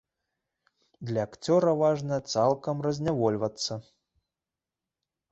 Для акцёра важна цалкам разнявольвацца.